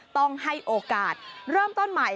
ต้องให้โอกาสเริ่มต้นใหม่